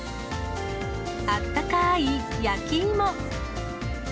あったかい焼き芋。